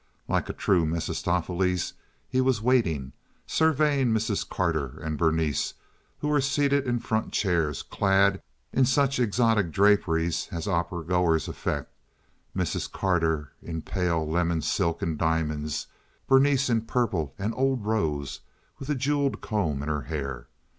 Like a true Mephistopheles he was waiting, surveying Mrs. Carter and Berenice, who were seated in front chairs clad in such exotic draperies as opera goers affect—Mrs. Carter in pale lemon silk and diamonds; Berenice in purple and old rose, with a jeweled comb in her hair.